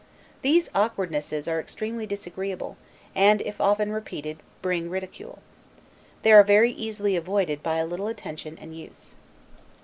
These awkwardnesses are extremely disagreeable; and, if often repeated, bring ridicule. They are very easily avoided by a little attention and use.